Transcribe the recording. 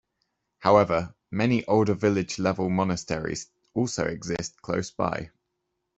However, many older village level monasteries also exist close by.